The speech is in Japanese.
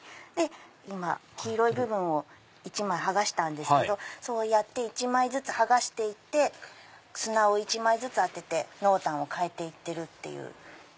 黄色い部分を１枚剥がしたんですけどそうやって１枚ずつ剥がしていって砂を１枚ずつ当てて濃淡を変えていってるっていう。